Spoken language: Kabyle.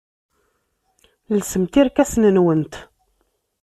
Lsemt irkasen-nwent.